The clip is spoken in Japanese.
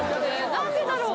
何でだろう